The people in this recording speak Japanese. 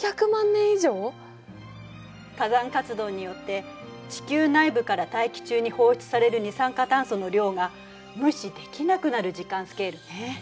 火山活動によって地球内部から大気中に放出される二酸化炭素の量が無視できなくなる時間スケールね。